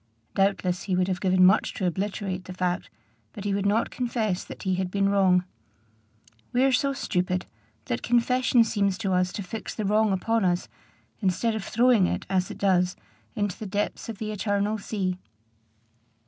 Doubtless he would have given much to obliterate the fact, but he would not confess that he had been wrong. We are so stupid, that confession seems to us to fix the wrong upon us, instead of throwing it, as it does, into the depths of the eternal sea.